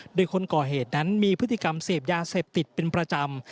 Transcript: โดยคนก่อเหตุนั้นมีพฤติกรรมเสพยาเสพติดเป็นประจำ